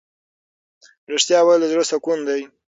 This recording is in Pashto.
ریښتیا ویل د زړه سکون دی.